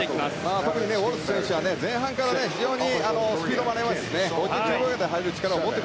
特にウォルシュ選手は前半から非常にスピードがありますからね。